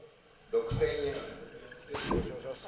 ６，０００円。